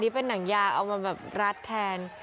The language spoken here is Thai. เป็นหนังยาเอามาแบบรัดแทน